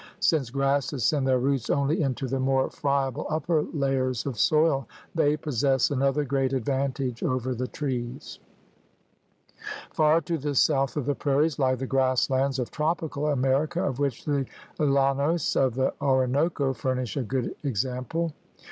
Since grasses send their roots only into the more friable upper layers of soil, they possess another great advantage over the trees. Far to the south of the prairies lie the grass lands of tropical America, of which the llanos of the Orinoco furnish a good example.